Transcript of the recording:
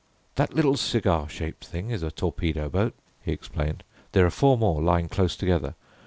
"That little cigar shaped thing is a torpedo boat," he explained; "there are four more lying close together.